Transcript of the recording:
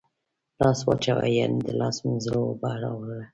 لاس واچوه ، یعنی د لاس مینځلو اوبه راوړه